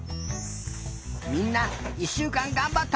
みんな１しゅうかんがんばったね。